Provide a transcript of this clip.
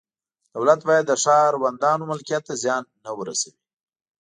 دولت باید د ښاروندانو ملکیت ته زیان نه ورسوي.